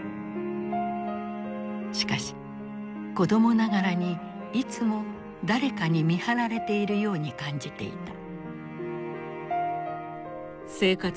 しかし子供ながらにいつも誰かに見張られているように感じていた。